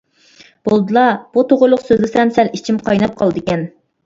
بولدىلا. بۇ توغرىلىق سۆزلىسەم سەل ئىچىم قايناپ قالىدىكەن.